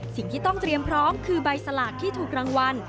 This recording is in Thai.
สิ่งที่ต้องเตรียมพร้อมคือใบสลากที่ถูกรางวัล